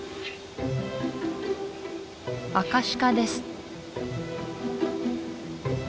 アカシカです